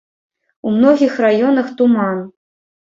У многіх раёнах туман.